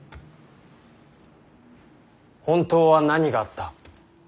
本当は何があった。